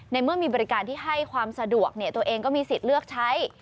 เมื่อมีบริการที่ให้ความสะดวกตัวเองก็มีสิทธิ์เลือกใช้